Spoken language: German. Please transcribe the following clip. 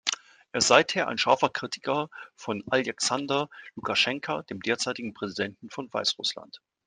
Er ist seither ein scharfer Kritiker von Aljaksandr Lukaschenka, dem derzeitigen Präsident von Weißrussland.